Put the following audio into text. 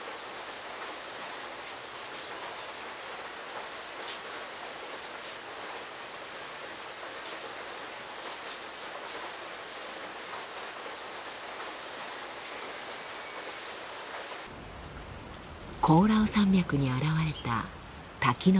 コオラウ山脈に現れた滝の白糸。